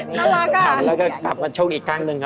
น่ารักค่ะแล้วก็กลับมาชกอีกครั้งหนึ่งครับ